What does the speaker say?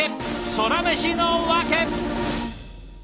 ソラメシのワケ！